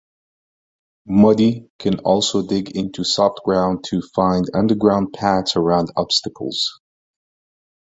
Muddy can also dig into soft ground to find underground paths around obstacles.